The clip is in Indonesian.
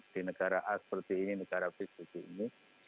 di negara a seperti ini negara b seperti ini